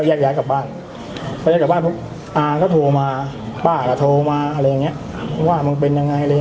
พี่ยากย้ายกลับบ้านเอาลูกอ่าก็โทรมาพ่อกับโทรมาว่ามันเป็นอะไร